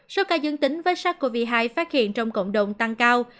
sau ca dân tỉnh với sars cov hai phát hiện trong cộng đồng tăng cao